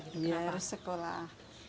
dia harus sekolah